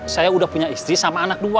saya udah punya istri sama anak dua